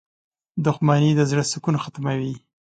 • دښمني د زړۀ سکون ختموي.